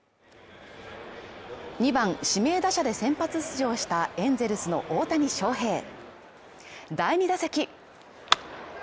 ２番・指名打者で先発出場したエンゼルスの大谷翔平第２打席。